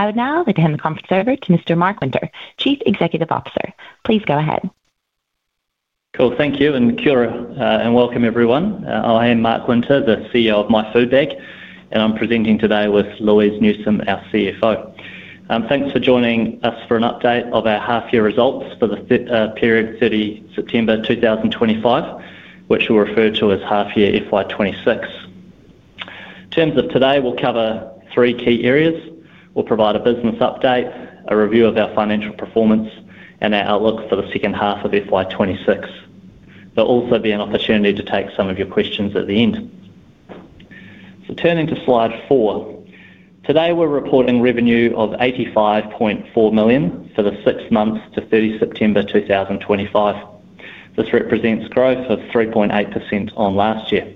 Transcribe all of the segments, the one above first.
I would now like to hand the conference over to Mr. Mark Winter, Chief Executive Officer. Please go ahead. Cool. Thank you, and Kia ora, and welcome, everyone. I am Mark Winter, the CEO of My Food Bag, and I'm presenting today with Louise Newsome, our CFO. Thanks for joining us for an update of our half-year results for the period 30 September 2025, which we'll refer to as half-year FY 2026. In terms of today, we'll cover three key areas. We'll provide a business update, a review of our financial performance, and our outlook for the second half of FY 2026. There'll also be an opportunity to take some of your questions at the end. Turning to slide four, today we're reporting revenue of 85.4 million for the six months to 30 September 2025. This represents growth of 3.8% on last year.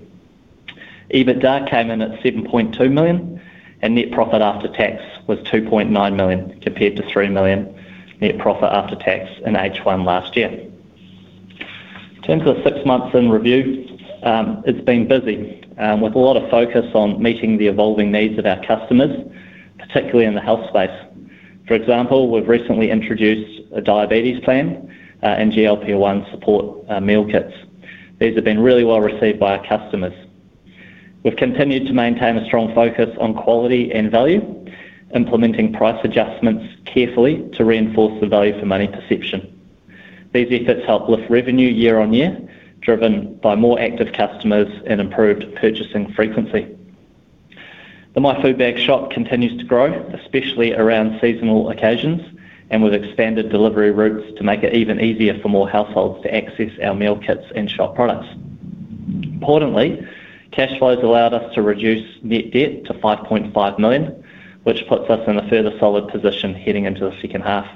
EBITDA came in at 7.2 million, and net profit after tax was 2.9 million compared to 3 million net profit after tax in H1 last year. In terms of the six months in review, it's been busy with a lot of focus on meeting the evolving needs of our customers, particularly in the health space. For example, we've recently introduced a diabetes plan and GLP-1 support meal kits. These have been really well received by our customers. We've continued to maintain a strong focus on quality and value, implementing price adjustments carefully to reinforce the value-for-money perception. These efforts help lift revenue year on year, driven by more active customers and improved purchasing frequency. The My Food Bag shop continues to grow, especially around seasonal occasions, and we've expanded delivery routes to make it even easier for more households to access our meal kits and shop products. Importantly, cash flows allowed us to reduce net debt to 5.5 million, which puts us in a further solid position heading into the second half.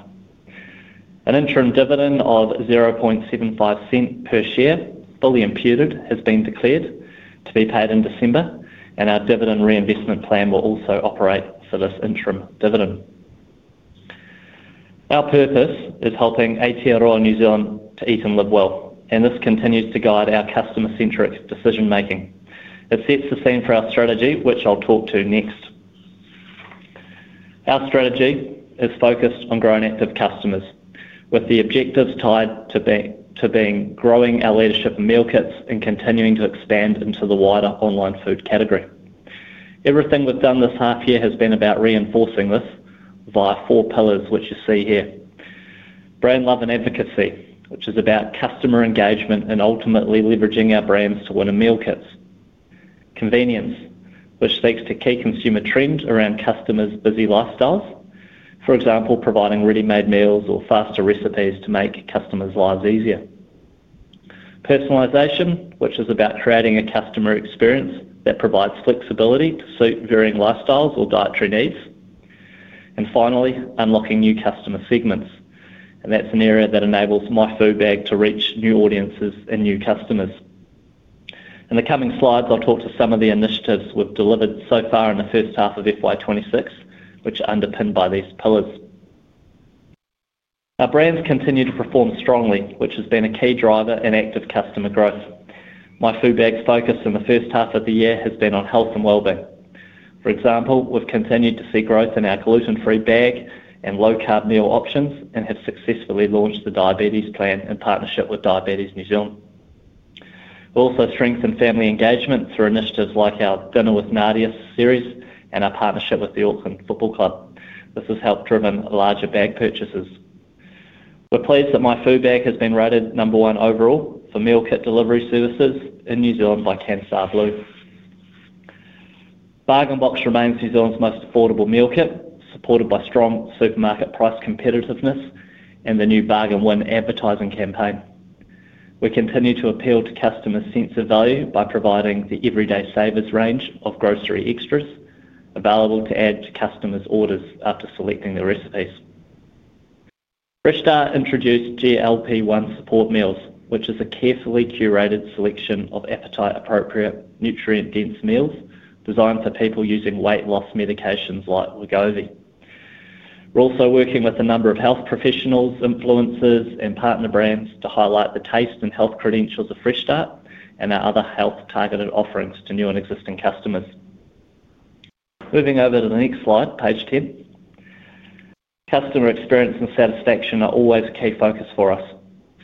An interim dividend of 0.75 per share, fully imputed, has been declared to be paid in December, and our dividend reinvestment plan will also operate for this interim dividend. Our purpose is helping Aotearoa New Zealand to eat and live well, and this continues to guide our customer-centric decision-making. It sets the scene for our strategy, which I'll talk to next. Our strategy is focused on growing active customers, with the objectives tied to being growing our leadership of meal kits and continuing to expand into the wider online food category. Everything we've done this half year has been about reinforcing this via four pillars, which you see here: brand love and advocacy, which is about customer engagement and ultimately leveraging our brands to win meal kits; convenience, which speaks to key consumer trends around customers' busy lifestyles, for example, providing ready-made meals or faster recipes to make customers' lives easier; personalization, which is about creating a customer experience that provides flexibility to suit varying lifestyles or dietary needs; and finally, unlocking new customer segments. That is an area that enables My Food Bag to reach new audiences and new customers. In the coming slides, I'll talk to some of the initiatives we've delivered so far in the first half of FY 2026, which are underpinned by these pillars. Our brands continue to perform strongly, which has been a key driver in active customer growth. My Food Bag's focus in the first half of the year has been on health and well-being. For example, we've continued to see growth in our gluten-free bag and low-carb meal options and have successfully launched the diabetes plan in partnership with Diabetes New Zealand. We've also strengthened family engagement through initiatives like our Dinner with Nadia series and our partnership with the Auckland Football Club. This has helped drive larger bag purchases. We're pleased that My Food Bag has been rated number one overall for meal kit delivery services in New Zealand by Canstar Blue. Bargain Box remains New Zealand's most affordable meal kit, supported by strong supermarket price competitiveness and the new Bargain Win advertising campaign. We continue to appeal to customers' sense of value by providing the everyday savers range of grocery extras available to add to customers' orders after selecting the recipes. Fresh Start introduced GLP-1 support meals, which is a carefully curated selection of appetite-appropriate, nutrient-dense meals designed for people using weight loss medications like Wegovy. We're also working with a number of health professionals, influencers, and partner brands to highlight the taste and health credentials of Fresh Start and our other health-targeted offerings to new and existing customers. Moving over to the next slide, page 10. Customer experience and satisfaction are always a key focus for us.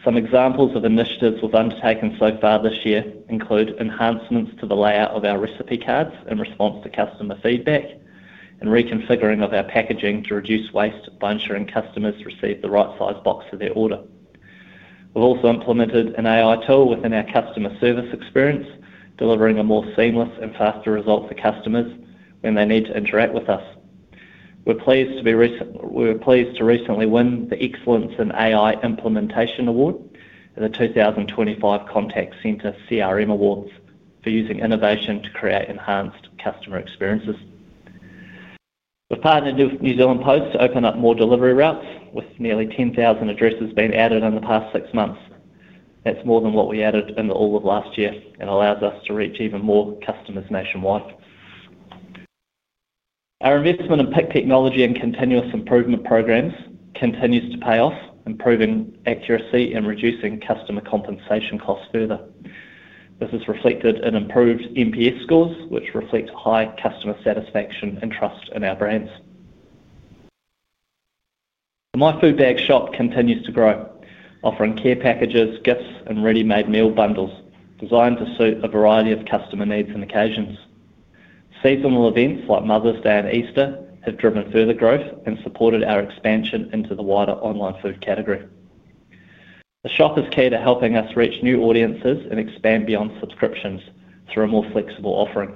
Some examples of initiatives we've undertaken so far this year include enhancements to the layout of our recipe cards in response to customer feedback and reconfiguring of our packaging to reduce waste by ensuring customers receive the right size box for their order. We've also implemented an AI tool within our customer service experience, delivering a more seamless and faster result for customers when they need to interact with us. We're pleased to recently win the Excellence in AI Implementation Award and the 2025 Contact Centre CRM Awards for using innovation to create enhanced customer experiences. We've partnered with New Zealand Post to open up more delivery routes, with nearly 10,000 addresses being added in the past six months. That's more than what we added in all of last year and allows us to reach even more customers nationwide. Our investment in peak technology and continuous improvement programs continues to pay off, improving accuracy and reducing customer compensation costs further. This is reflected in improved NPS scores, which reflect high customer satisfaction and trust in our brands. My Food Bag shop continues to grow, offering care packages, gifts, and ready-made meal bundles designed to suit a variety of customer needs and occasions. Seasonal events like Mother's Day and Easter have driven further growth and supported our expansion into the wider online food category. The shop is key to helping us reach new audiences and expand beyond subscriptions through a more flexible offering.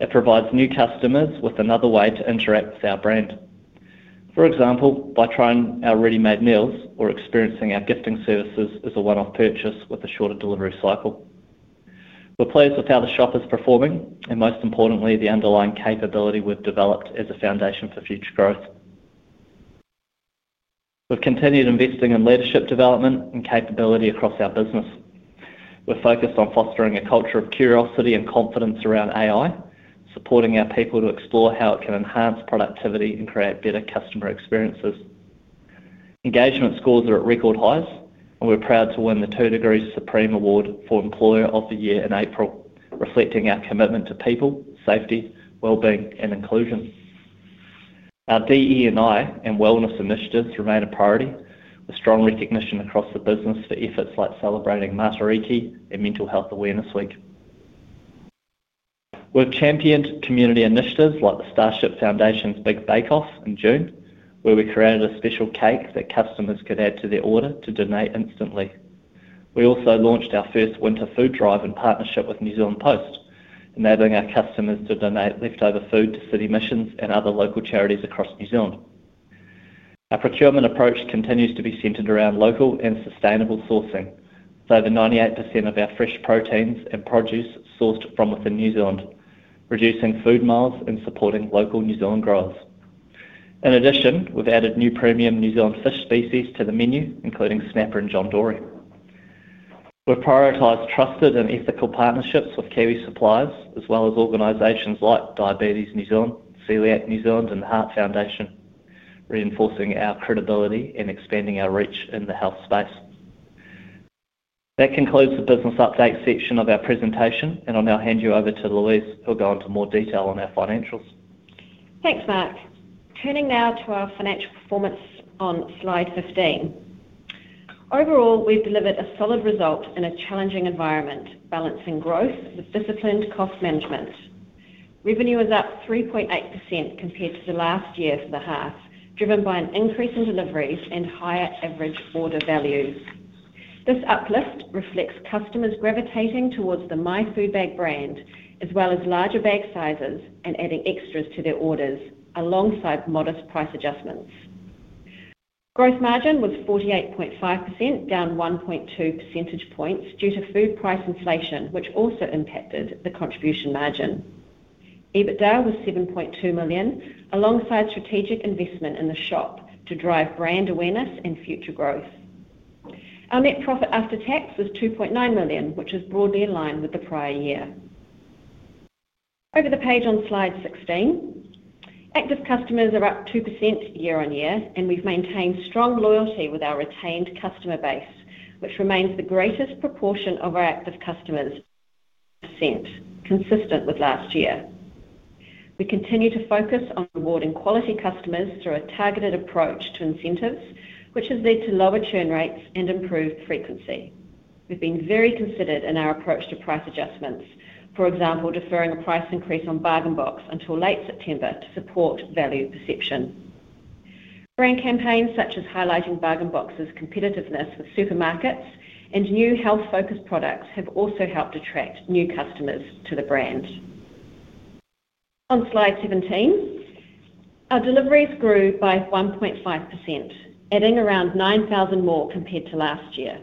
It provides new customers with another way to interact with our brand, for example, by trying our ready-made meals or experiencing our gifting services as a one-off purchase with a shorter delivery cycle. We're pleased with how the shop is performing and, most importantly, the underlying capability we've developed as a foundation for future growth. We've continued investing in leadership development and capability across our business. We're focused on fostering a culture of curiosity and confidence around AI, supporting our people to explore how it can enhance productivity and create better customer experiences. Engagement scores are at record highs, and we're proud to win the Two Degrees Supreme Award for Employer of the Year in April, reflecting our commitment to people, safety, well-being, and inclusion. Our DE&I and wellness initiatives remain a priority, with strong recognition across the business for efforts like celebrating Matariki and Mental Health Awareness Week. We've championed community initiatives like the Starship Foundation's Big Bake Off in June, where we created a special cake that customers could add to their order to donate instantly. We also launched our first winter food drive in partnership with New Zealand Post, enabling our customers to donate leftover food to city missions and other local charities across New Zealand. Our procurement approach continues to be centered around local and sustainable sourcing, with over 98% of our fresh proteins and produce sourced from within New Zealand, reducing food miles and supporting local New Zealand growers. In addition, we've added new premium New Zealand fish species to the menu, including Snapper and John Dory. We prioritize trusted and ethical partnerships with Kiwi Supplies, as well as organizations like Diabetes New Zealand, Coeliac New Zealand, and the Heart Foundation, reinforcing our credibility and expanding our reach in the health space. That concludes the business update section of our presentation, and I'll now hand you over to Louise, who'll go into more detail on our financials. Thanks, Mark. Turning now to our financial performance on slide 15. Overall, we've delivered a solid result in a challenging environment, balancing growth with disciplined cost management. Revenue is up 3.8% compared to the last year for the half, driven by an increase in deliveries and higher average order values. This uplift reflects customers gravitating towards the My Food Bag brand, as well as larger bag sizes and adding extras to their orders alongside modest price adjustments. Gross margin was 48.5%, down 1.2 percentage points due to food price inflation, which also impacted the contribution margin. EBITDA was 7.2 million, alongside strategic investment in the shop to drive brand awareness and future growth. Our net profit after tax was 2.9 million, which is broadly in line with the prior year. Over the page on slide 16, active customers are up 2% year-on-year, and we've maintained strong loyalty with our retained customer base, which remains the greatest proportion of our active customers, consistent with last year. We continue to focus on rewarding quality customers through a targeted approach to incentives, which has led to lower churn rates and improved frequency. We've been very considerate in our approach to price adjustments, for example, deferring a price increase on Bargain Box until late September to support value perception. Brand campaigns such as highlighting Bargain Box's competitiveness with supermarkets and new health-focused products have also helped attract new customers to the brand. On slide 17, our deliveries grew by 1.5%, adding around 9,000 more compared to last year.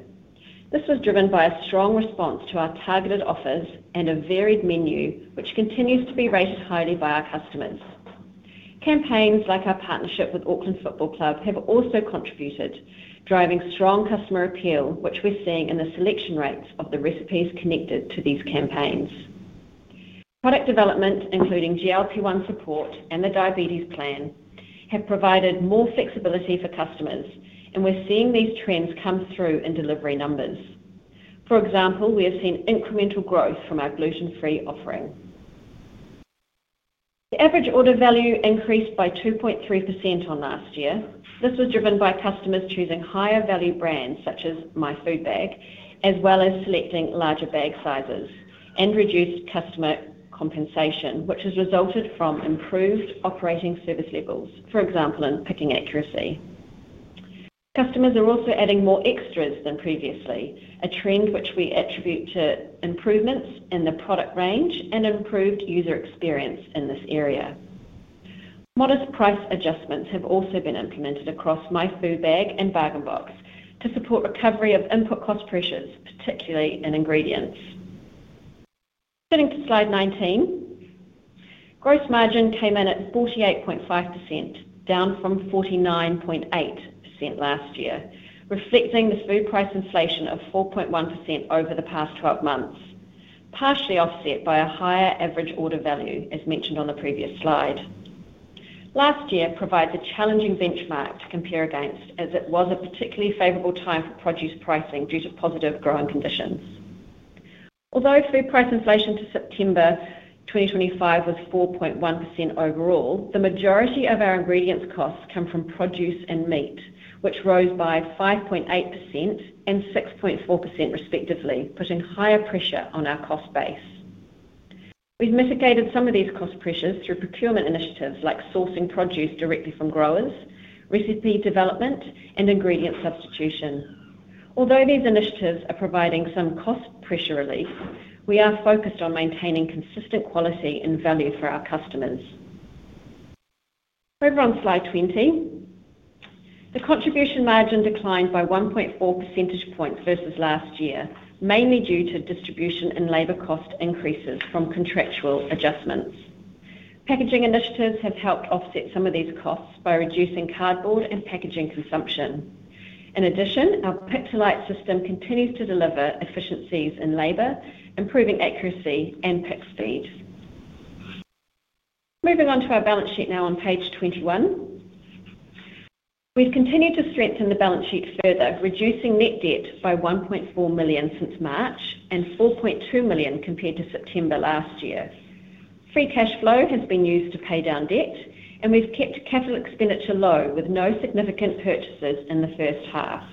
This was driven by a strong response to our targeted offers and a varied menu, which continues to be rated highly by our customers. Campaigns like our partnership with Auckland Football Club have also contributed, driving strong customer appeal, which we're seeing in the selection rates of the recipes connected to these campaigns. Product development, including GLP-1 support and the diabetes plan, have provided more flexibility for customers, and we're seeing these trends come through in delivery numbers. For example, we have seen incremental growth from our gluten-free offering. The average order value increased by 2.3% on last year. This was driven by customers choosing higher value brands such as My Food Bag, as well as selecting larger bag sizes, and reduced customer compensation, which has resulted from improved operating service levels, for example, in picking accuracy. Customers are also adding more extras than previously, a trend which we attribute to improvements in the product range and improved user experience in this area. Modest price adjustments have also been implemented across My Food Bag and Bargain Box to support recovery of input cost pressures, particularly in ingredients. Turning to slide 19, gross margin came in at 48.5%, down from 49.8% last year, reflecting the food price inflation of 4.1% over the past 12 months, partially offset by a higher average order value, as mentioned on the previous slide. Last year provided a challenging benchmark to compare against, as it was a particularly favorable time for produce pricing due to positive growing conditions. Although food price inflation to September 2025 was 4.1% overall, the majority of our ingredients costs come from produce and meat, which rose by 5.8% and 6.4%, respectively, putting higher pressure on our cost base. We've mitigated some of these cost pressures through procurement initiatives like sourcing produce directly from growers, recipe development, and ingredient substitution. Although these initiatives are providing some cost pressure relief, we are focused on maintaining consistent quality and value for our customers. Over on slide 20, the contribution margin declined by 1.4 percentage points versus last year, mainly due to distribution and labor cost increases from contractual adjustments. Packaging initiatives have helped offset some of these costs by reducing cardboard and packaging consumption. In addition, our pick-to-lite system continues to deliver efficiencies in labor, improving accuracy and pick speed. Moving on to our balance sheet now on page 21, we've continued to strengthen the balance sheet further, reducing net debt by 1.4 million since March and 4.2 million compared to September last year. Free cash flow has been used to pay down debt, and we've kept CapEx low with no significant purchases in the first half.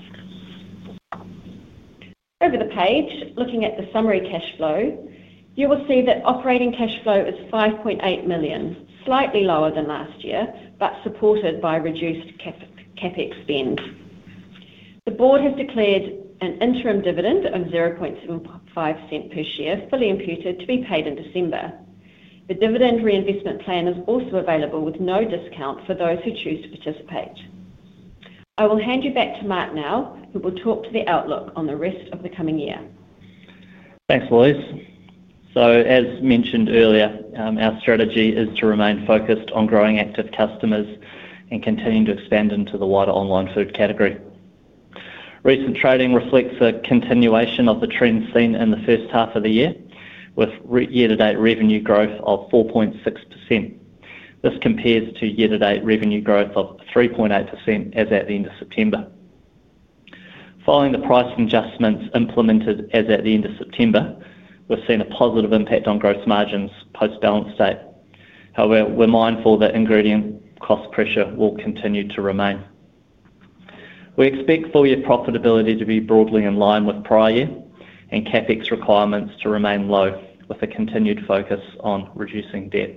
Over the page, looking at the summary cash flow, you will see that operating cash flow is 5.8 million, slightly lower than last year, but supported by reduced CapEx spend. The board has declared an interim dividend of 0.75% per share, fully imputed to be paid in December. The dividend reinvestment plan is also available with no discount for those who choose to participate. I will hand you back to Mark now, who will talk to the outlook on the rest of the coming year. Thanks, Louise. As mentioned earlier, our strategy is to remain focused on growing active customers and continue to expand into the wider online food category. Recent trading reflects the continuation of the trends seen in the first half of the year, with year-to-date revenue growth of 4.6%. This compares to year-to-date revenue growth of 3.8% as at the end of September. Following the price adjustments implemented as at the end of September, we've seen a positive impact on gross margins post-balance date. However, we're mindful that ingredient cost pressure will continue to remain. We expect full-year profitability to be broadly in line with prior year and CapEx requirements to remain low, with a continued focus on reducing debt.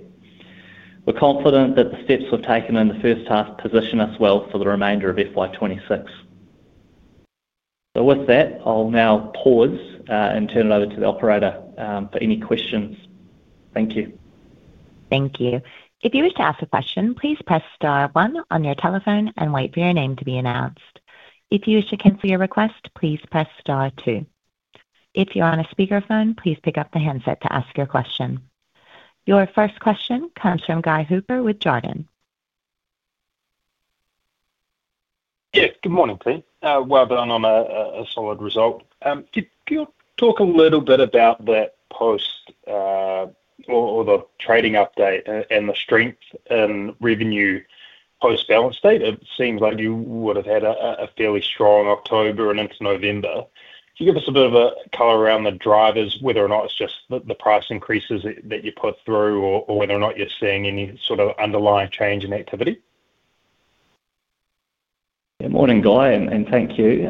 We're confident that the steps we've taken in the first half position us well for the remainder of FY 2026. With that, I'll now pause and turn it over to the operator for any questions. Thank you. Thank you. If you wish to ask a question, please press star one on your telephone and wait for your name to be announced. If you wish to cancel your request, please press star two. If you're on a speakerphone, please pick up the handset to ask your question. Your first question comes from Guy Hooper with Jarden. Yes, good morning, please. Well done. A solid result. Could you talk a little bit about that post or the trading update and the strength in revenue post-balance date? It seems like you would have had a fairly strong October and into November. Can you give us a bit of a color around the drivers, whether or not it's just the price increases that you put through or whether or not you're seeing any sort of underlying change in activity? Good morning, Guy, and thank you.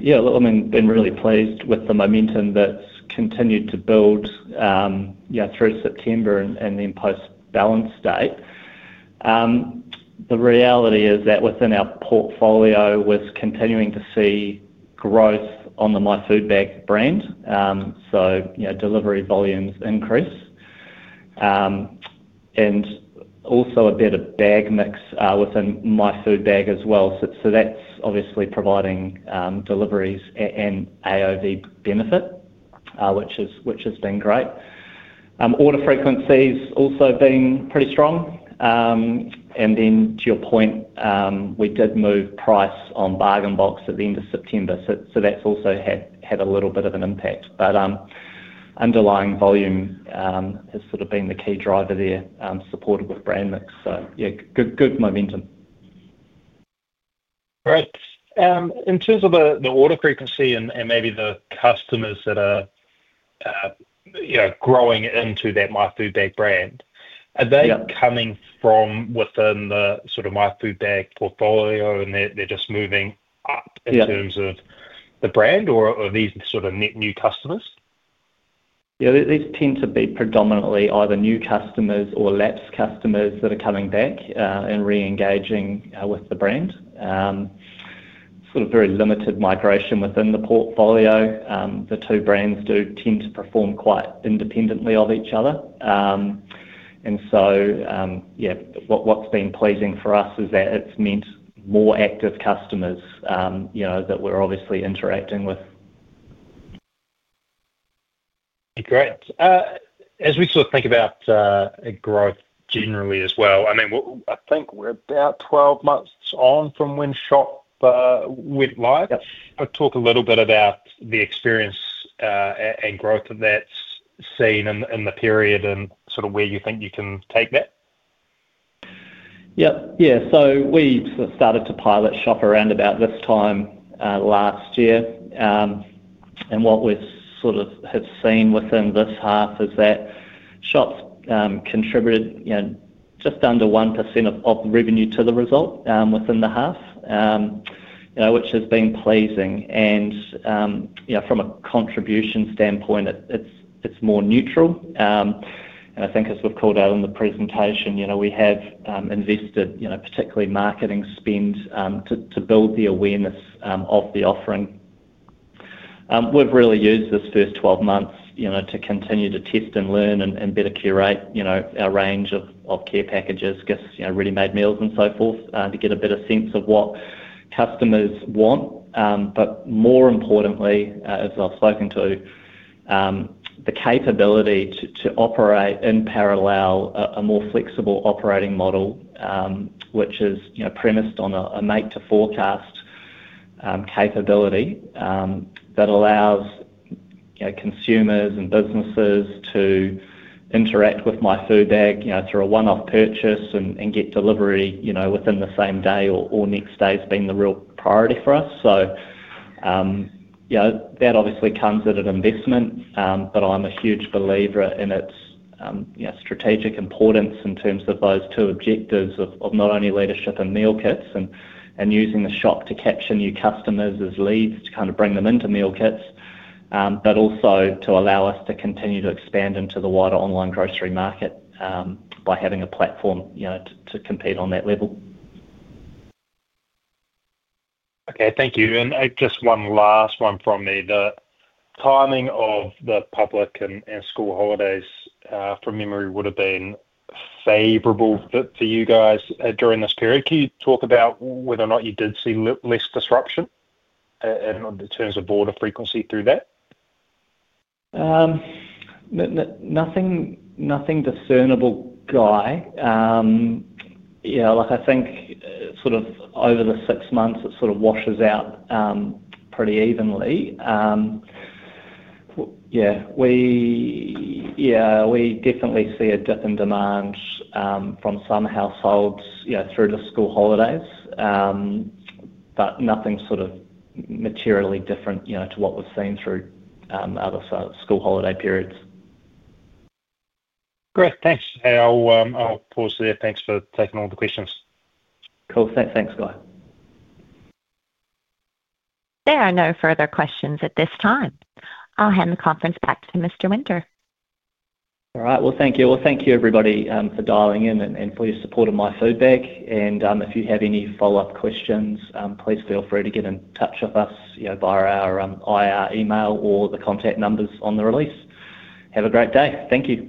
Yeah, I've been really pleased with the momentum that's continued to build through September and then post-balance date. The reality is that within our portfolio, we're continuing to see growth on the My Food Bag brand, so delivery volumes increase and also a better bag mix within My Food Bag as well. That's obviously providing deliveries and AOV benefit, which has been great. Order frequency is also being pretty strong. To your point, we did move price on Bargain Box at the end of September, so that's also had a little bit of an impact. Underlying volume has sort of been the key driver there, supported with brand mix. Yeah, good momentum. Great. In terms of the order frequency and maybe the customers that are growing into that My Food Bag brand, are they coming from within the sort of My Food Bag portfolio and they're just moving up in terms of the brand or are these sort of net new customers? Yeah, these tend to be predominantly either new customers or lapse customers that are coming back and re-engaging with the brand. Sort of very limited migration within the portfolio. The two brands do tend to perform quite independently of each other. What's been pleasing for us is that it's meant more active customers that we're obviously interacting with. Great. As we sort of think about growth generally as well, I mean, I think we're about 12 months on from when shop went live. Talk a little bit about the experience and growth that's seen in the period and sort of where you think you can take that. Yep. Yeah. We sort of started to pilot shop around about this time last year. What we sort of have seen within this half is that shop has contributed just under 1% of revenue to the result within the half, which has been pleasing. From a contribution standpoint, it is more neutral. I think, as we have called out in the presentation, we have invested, particularly marketing spend, to build the awareness of the offering. We have really used this first 12 months to continue to test and learn and better curate our range of care packages, ready-made meals, and so forth, to get a better sense of what customers want. More importantly, as I've spoken to, the capability to operate in parallel, a more flexible operating model, which is premised on a make-to-forecast capability that allows consumers and businesses to interact with My Food Bag through a one-off purchase and get delivery within the same day or next day has been the real priority for us. That obviously comes at an investment, but I'm a huge believer in its strategic importance in terms of those two objectives of not only leadership in meal kits and using the shop to capture new customers as leads to kind of bring them into meal kits, but also to allow us to continue to expand into the wider online grocery market by having a platform to compete on that level. Okay. Thank you. Just one last one from me. The timing of the public and school holidays, from memory, would have been favorable for you guys during this period. Can you talk about whether or not you did see less disruption in terms of order frequency through that? Nothing discernible, Guy. Yeah, like I think sort of over the six months, it sort of washes out pretty evenly. Yeah, we definitely see a dip in demand from some households through the school holidays, but nothing sort of materially different to what we've seen through other school holiday periods. Great. Thanks. I'll pause there. Thanks for taking all the questions. Cool. Thanks, Guy. There are no further questions at this time. I'll hand the conference back to Mr. Winter. All right. Thank you, everybody, for dialing in and for your support of My Food Bag. If you have any follow-up questions, please feel free to get in touch with us via our IR email or the contact numbers on the release. Have a great day. Thank you.